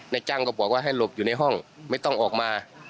จ้างก็บอกว่าให้หลบอยู่ในห้องไม่ต้องออกมา